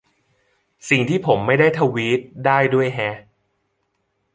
สิ่งที่ผมไม่ได้ทวีตได้ด้วยแฮะ